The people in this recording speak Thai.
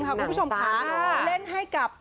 คุณผู้ชมค่ะเล่นให้กับ